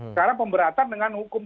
sekarang pemberatan dengan hukum